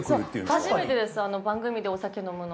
初めてです番組でお酒飲むの。